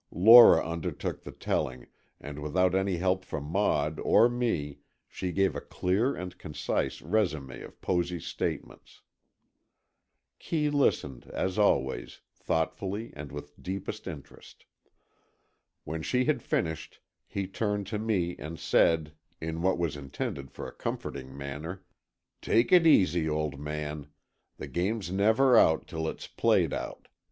Lora undertook the telling, and without any help from Maud or me, she gave a clear and concise résumé of Posy's statements. Kee listened, as always, thoughtfully and with deepest interest. When she had finished, he turned to me and said, in what was intended for a comforting manner: "Take it easy, old man. The game's never out till it's played out.